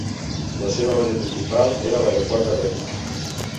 La seva base principal era l'aeroport de Bremen.